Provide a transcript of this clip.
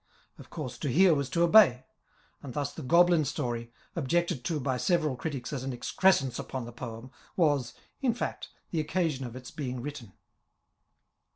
Of course, to hear was to obey ; and thus the goblin story, objected to hy several critics as an excrescence upon the poem, was, in fact, the occasion of its being written.